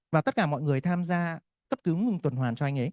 và tất cả mọi người tham gia cấp cứu ngừng tuần hoàn